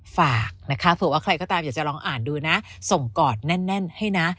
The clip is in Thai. ฝากนะคะเผื่อว่าใครก็ตามอยากจะลองอ่านดูนะส่งกอดแน่นให้นะ